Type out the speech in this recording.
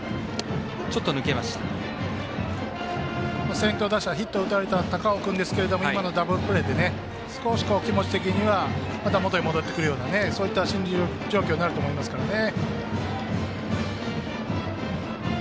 先頭打者、ヒットを打たれた高尾君ですが今のダブルプレーで、少し気持ち的にはまた元に戻ってくるような心理状況になると思いますからね。